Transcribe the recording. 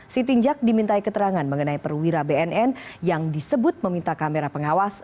sitinjak dimintai keterangan mengenai perwira bnn yang disebut meminta kamera pengawas